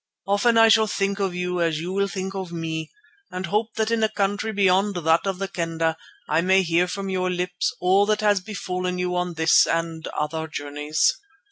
Often I shall think of you as you will think of me, and hope that in a country beyond that of the Kendah I may hear from your lips all that has befallen you on this and other journeys.